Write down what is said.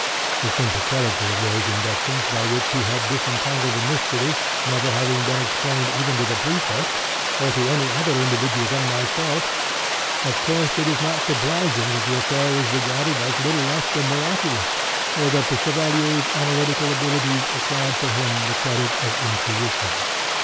The simple character of those inductions by which he had disentangled the mystery never having been explained even to the Prefect, or to any other individual than myself, of course it is not surprising that the affair was regarded as little less than miraculous, or that the Chevalier's analytical abilities acquired for him the credit of intuition.